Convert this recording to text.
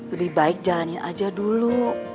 lebih baik jalanin aja dulu